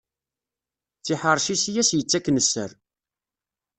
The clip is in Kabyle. D tiḥerci-s i as-yettaken sser.